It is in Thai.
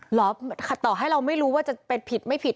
ต่อให้เราไม่รู้ว่าจะเป็นผิดไม่ผิด